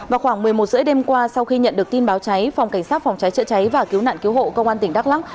vào khoảng một mươi một h ba mươi đêm qua sau khi nhận được tin báo cháy phòng cảnh sát phòng cháy chữa cháy và cứu nạn cứu hộ công an tỉnh đắk lắc